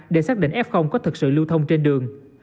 để xác định f có thực sự lưu thông trên đường